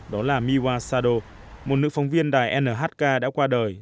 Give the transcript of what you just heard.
đó là miwa sado một nữ phóng viên đài nhk đã qua đời